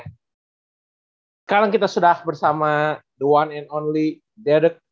sekarang kita sudah bersama the one and only dedek